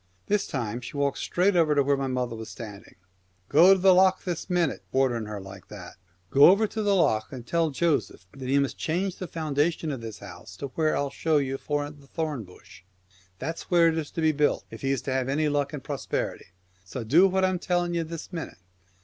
This time she walks straight over to where my mother was standing. " Go over to the Lough this minute !"— ordering her like that —" Go over to the Lough, and tell Joseph that he must change the foundation of this house to where I'll show you foment the thorn bush. That is where it is to be built, if he is to have luck and prosperity, so do what I'm telling ye this minute."